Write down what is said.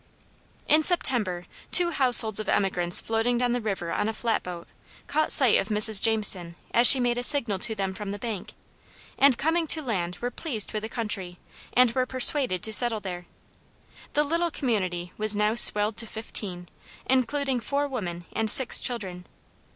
In September, two households of emigrants floating down the river on a flatboat, caught sight of Mrs. Jameson as she made a signal to them from the bank, and coming to land were pleased with the country, and were persuaded to settle there. The little community was now swelled to fifteen, including four women and six children.